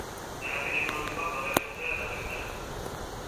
Garapen ekonomikoa, babes soziala ta berdintasuna.